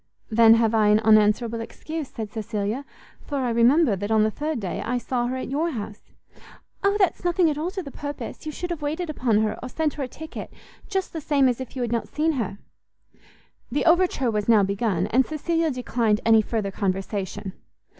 "Then have I an unanswerable excuse," said Cecilia, "for I remember that on the third day I saw her at your house." "O that's nothing at all to the purpose; you should have waited upon her, or sent her a ticket, just the same as if you had not seen her." The overture was now begun, and Cecilia declined any further conversation.